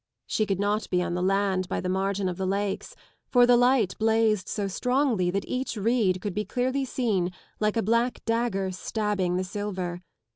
She could not be on the land by the margin of the lakes, for the light blazed so strongly that each reed could be clearly seen like a black dagger stabbing the silver.